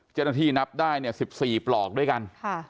เจ้าหน้าที่นับได้๑๔ปลอกด้วยกัน